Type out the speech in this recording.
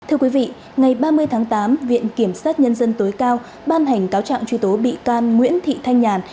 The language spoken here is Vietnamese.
thưa quý vị ngày ba mươi tháng tám viện kiểm sát nhân dân tối cao ban hành cáo trạng truy tố bị can nguyễn thị thanh nhàn